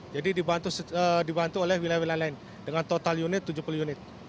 jadi dibantu oleh wilayah wilayah lain dengan total unit tujuh puluh unit